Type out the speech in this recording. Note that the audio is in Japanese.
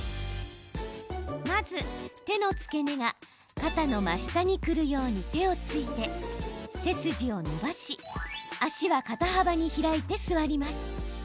まず、手の付け根が肩の真下にくるように手をついて背筋を伸ばし脚は肩幅に開いて座ります。